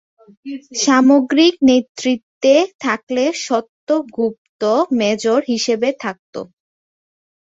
সামগ্রিক নেতৃত্বে থাকলেন সত্য গুপ্ত 'মেজর' হিসাবে।